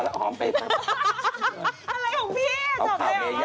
อะไรของพี่จับไม่เหรอ